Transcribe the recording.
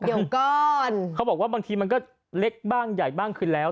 เดี๋ยวก่อนเขาบอกว่าบางทีมันก็เล็กบ้างใหญ่บ้างขึ้นแล้ว